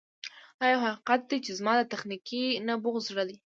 دا یو حقیقت دی چې زما د تخنیکي نبوغ زړه دی